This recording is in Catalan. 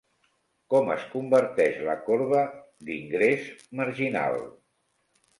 Com es converteix la corba d'ingrés marginal?